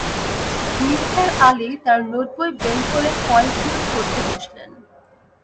নিসার আলি তাঁর নোটবই বের করে পয়েন্ট নোট করতে বসলেন।